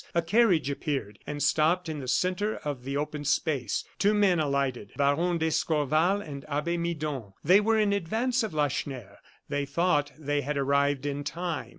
A carriage appeared, and stopped in the centre of the open space. Two men alighted; Baron d'Escorval and Abbe Midon. They were in advance of Lacheneur. They thought they had arrived in time.